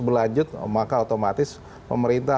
berlanjut maka otomatis pemerintah